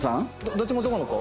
どっちも男の子？